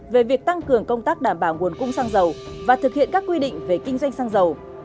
về việc tăng cường công tác đảm bảo nguồn cung xăng dầu và thực hiện các quy định về kinh doanh xăng dầu